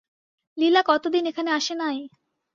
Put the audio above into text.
লীলা কতদিন এখানে আসে নাই!